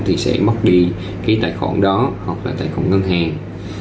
thì sẽ mất đi cái tài khoản đó hoặc là tài khoản ngân hàng